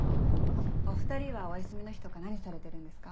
お２人はお休みの日とか何されてるんですか？